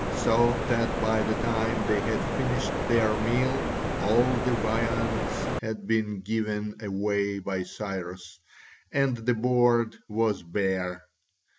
So that by the time they had finished their meal all the viands had been given away by Cyrus, and the board was bare.